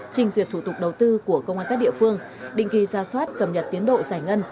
trình duyệt thủ tục đầu tư của công an các địa phương định kỳ ra soát cập nhật tiến độ giải ngân